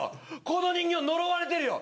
この人形呪われてるよ。